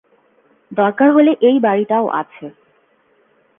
দরকার হলে এই বাড়িটাও আছে।